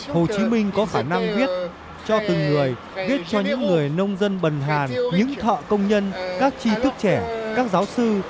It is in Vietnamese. hồ chí minh có khả năng viết cho từng người viết cho những người nông dân bần hàn những thọ công nhân các chi thức trẻ các giáo sư